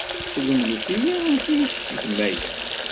Slemdet-iyi amek ay tettgem aya.